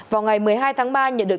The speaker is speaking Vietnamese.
vào ngày một mươi hai tháng ba nhận được